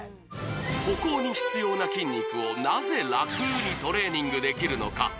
歩行に必要な筋肉をなぜ楽にトレーニングできるのか？